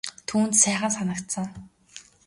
Түүнд сайхан санагдсан.